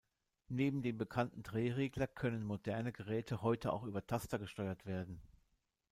Neben dem bekannten Drehregler können moderne Geräte heute auch über Taster gesteuert werden.